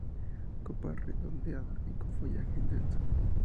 Copa redondeada y con follaje denso.